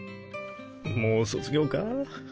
もう卒業か。